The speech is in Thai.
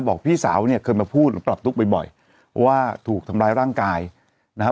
บอกพี่สาวเนี้ยเคยมาพูดกลับลุกบ่อยบ่อยว่าถูกทำร้ายร่างกายนะฮะ